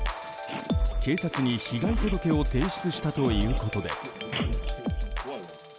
警察に被害届を提出したということです。